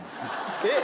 えっ。